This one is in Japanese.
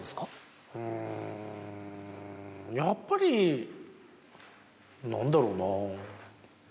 やっぱり何だろうな。